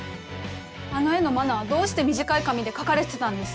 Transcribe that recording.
あの絵の真菜はどうして短い髪で描かれてたんです？